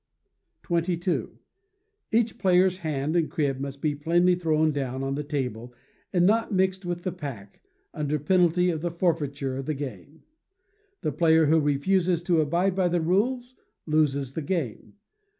xxii. Each player's hand and crib must be plainly thrown down on the table and not mixed with the pack, under penalty of the forfeiture of the game. The player who refuses to abide by the rules, loses the game.